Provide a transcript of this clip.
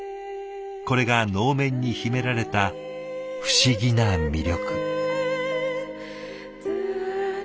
これが能面に秘められた不思議な魅力。